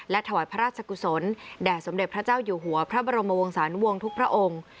ถวายพระราชกุศลแด่สมเด็จพระเจ้าอยู่หัวพระบรมวงศานุวงศ์ทุกพระองค์